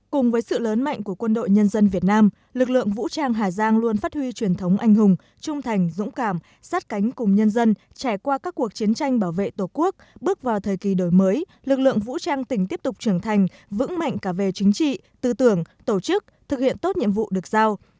cùng với sự lớn mạnh của quân đội nhân dân việt nam lực lượng vũ trang hà giang luôn phát huy truyền thống anh hùng trung thành dũng cảm sát cánh cùng nhân dân trải qua các cuộc chiến tranh bảo vệ tổ quốc bước vào thời kỳ đổi mới lực lượng vũ trang tỉnh tiếp tục trưởng thành vững mạnh cả về chính trị tư tưởng tổ chức thực hiện tốt nhiệm vụ được giao